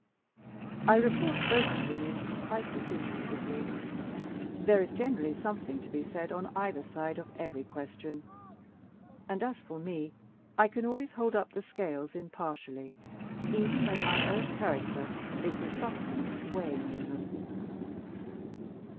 I report both opinions quite disinterestedly. There is generally something to be said on either side of every question; and, as for me, I can always hold up the scales impartially, even when my own character is the substance weighing in them.